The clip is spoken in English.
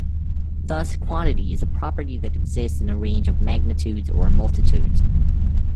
Thus quantity is a property that exists in a range of magnitudes or multitudes.